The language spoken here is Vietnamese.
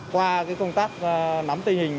qua công tác nắm tình hình